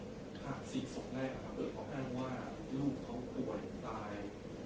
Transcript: ครับศกสมแรกเขาเพลงว่าลูกเขาสนตาย